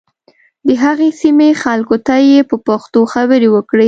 د هغې سیمې خلکو ته یې په پښتو خبرې وکړې.